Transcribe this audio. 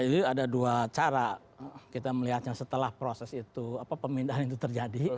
jadi ada dua cara kita melihatnya setelah proses itu apa pemindahan itu terjadi